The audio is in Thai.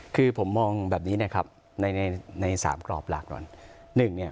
คือผมมองแบบนี้นะครับใน๓กรอบหลักก่อน